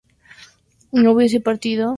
¿no hubiese partido?